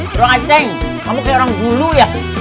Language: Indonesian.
bro ceng kamu kayak orang dulu ya